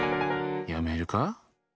やめるか？